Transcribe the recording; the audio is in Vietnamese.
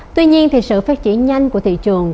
tuy nhiên thì sự phát triển nhanh của thị trường